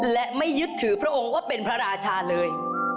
และไม่ยึดถือพระองค์ว่าเป็นพระราชาเลย